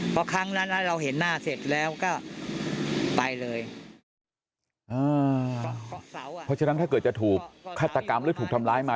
เพราะฉะนั้นถ้าเกิดจะถูกฆัตกรรมหรือถูกทำลายมา